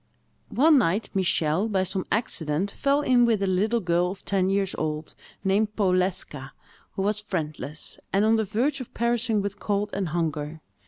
One night, Michel, by some accident, fell in with a little girl of ten years old, named Powleska, who was friendless, and on the verge of perishing with cold and hunger.